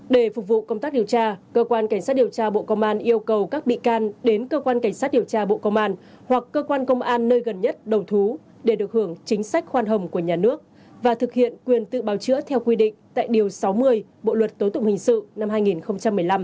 để phục vụ công tác điều tra cơ quan cảnh sát điều tra bộ công an yêu cầu các bị can đến cơ quan cảnh sát điều tra bộ công an hoặc cơ quan công an nơi gần nhất đầu thú để được hưởng chính sách khoan hồng của nhà nước và thực hiện quyền tự bào chữa theo quy định tại điều sáu mươi bộ luật tố tụng hình sự năm hai nghìn một mươi năm